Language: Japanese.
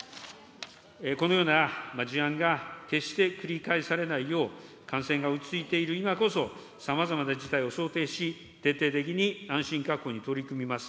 このような事案が決して繰り返されないよう、感染が落ち着いている今こそ、さまざまな事態を想定し、徹底的に安心確保に取り組みます。